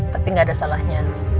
tapi gak ada salahnya